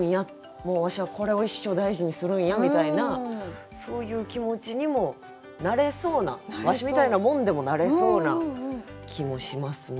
もうわしはこれを一生大事にするんやみたいなそういう気持ちにもなれそうなわしみたいなもんでもなれそうな気もしますね。